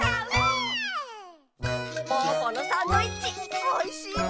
ぽぅぽのサンドイッチおいしいね。